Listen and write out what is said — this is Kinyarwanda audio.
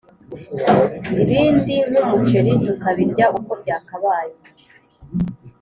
ibindi nk’umuceri tukabirya uko byakabaye.